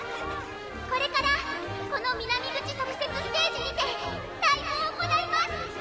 これからこの南口特設ステージにてライブを行います！